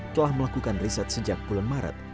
telah melakukan riset sejak bulan maret